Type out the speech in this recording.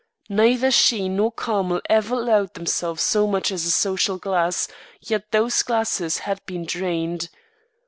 Neither she nor Carmel ever allowed themselves so much as a social glass, yet those glasses had been drained.